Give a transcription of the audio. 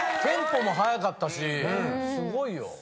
テンポも速かったしすごいよ。